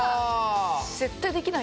絶対できないよ。